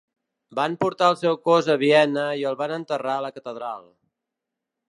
Van portar el seu cos a Viena i el van enterrar a la catedral.